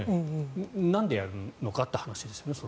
なんでやるのかという話ですよね。